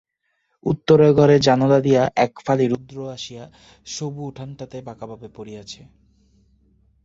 উত্তরের ঘরের জানোলা দিয়া এক ফালি রৌদ্র আসিয়া সবু উঠানটাতে বাঁকাভাবে পড়িয়াছে।